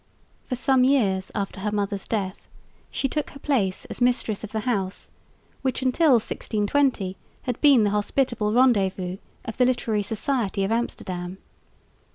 For some years after her mother's death she took her place as mistress of the house which until 1620 had been the hospitable rendezvous of the literary society of Amsterdam.